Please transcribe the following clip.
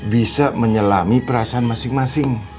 bisa menyelami perasaan masing masing